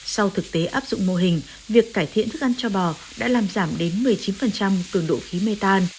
sau thực tế áp dụng mô hình việc cải thiện thức ăn cho bò đã làm giảm đến một mươi chín cường độ khí mê tan